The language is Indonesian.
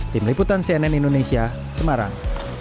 tim liputan cnn indonesia semarang